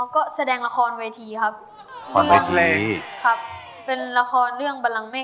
อ๋อก็แสดงละครเวทีครับค่ะเป็นละครเรื่องบันลังเมฆ